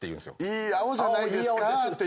いい青じゃないですかって。